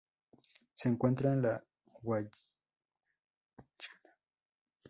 Se encuentra en la Guayana Francesa y Colombia.